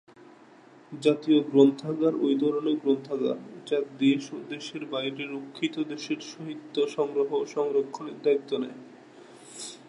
জাতীয় গ্রন্থাগার ঐ ধরনের গ্রন্থাগার যা দেশ ও দেশের বাইরের রক্ষিত দেশের সাহিত্য সংগ্রহ ও সংরক্ষণের দায়িত্ব নেয়।